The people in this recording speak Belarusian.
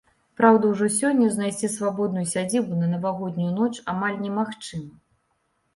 Праўда, ужо сёння знайсці свабодную сядзібу на навагоднюю ноч амаль немагчыма.